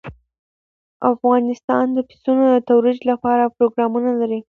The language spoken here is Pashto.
افغانستان د پسونو د ترویج لپاره پروګرامونه لري.